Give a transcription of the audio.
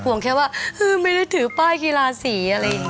ห่วงแค่ว่าไม่ได้ถือป้ายกีฬาสี